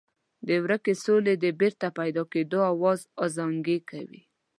د ورکې سولې د بېرته پیدا کېدو آواز ازانګې کوي.